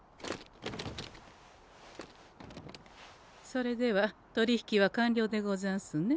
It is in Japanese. それでは取り引きは完了でござんすね。